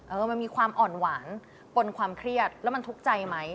เออมันมีความอ่อนหวานปนความเครียดแล้วมันทุกข์ใจไหม